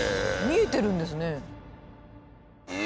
見えてるんですね。